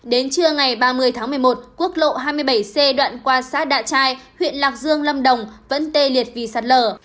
đến trưa ngày ba mươi tháng một mươi một quốc lộ hai mươi bảy c đoạn qua xã đạ trai huyện lạc dương lâm đồng vẫn tê liệt vì sạt lở